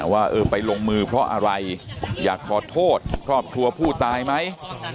ว่าเออไปลงมือเพราะอะไรอยากขอโทษครอบครัวผู้ตายไหม